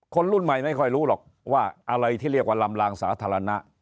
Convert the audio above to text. คนรุ่นใหม่ไม่ค่อยรู้หรอกว่าอะไรที่เรียกว่าลำลางสาธารณะ